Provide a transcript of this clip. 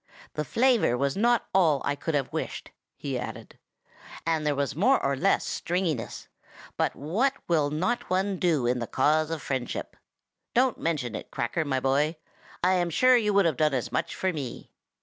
The flavor was not all I could have wished," he added, "and there was more or less stringiness; but what will not one do in the cause of friendship! Don't mention it, Cracker, my boy! I am sure you would have done as much for me.